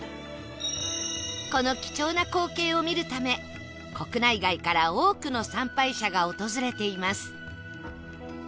この貴重な光景を見るため国内外から多くの参拝者が訪れています